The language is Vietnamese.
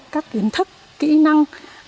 các kiến thức kỹ năng